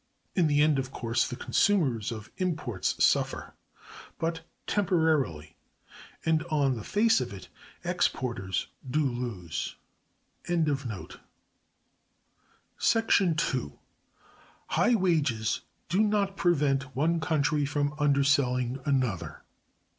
In the end, of course, the consumers of imports suffer. But, temporarily, and on the face of it, exporters do lose. § 2. High wages do not prevent one Country from underselling another.